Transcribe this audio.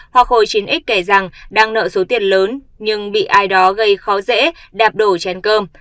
hoa khôi chín x kể rằng đang nợ số tiền lớn nhưng bị ai đó gây khó dễ đạp đổ chén cơm